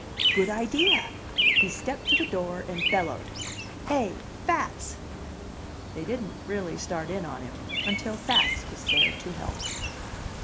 "Good idea." He stepped to the door and bellowed, "Hey, Fats!" They didn't really start in on him until Fats was there to help.